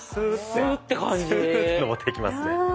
スーッて上っていきますね。